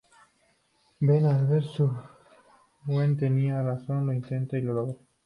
Ben, al ver que su Gwen tenía razón, lo intenta, y lo logra.